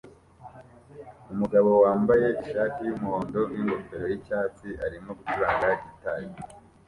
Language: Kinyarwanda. Umugabo wambaye ishati yumuhondo ningofero yicyatsi arimo gucuranga gitari